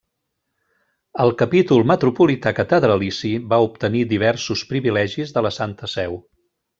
El Capítol Metropolità Catedralici va obtenir diversos privilegis de la Santa Seu.